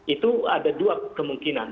itu ada dua kemungkinan